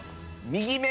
右目